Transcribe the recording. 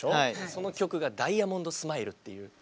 その曲が「ダイヤモンドスマイル」っていうそこは逆に。